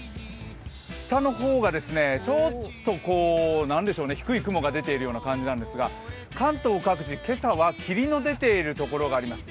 下の方がちょっと低い雲が出ているような感じなんですが関東各地、今朝は霧の出ているところがあります。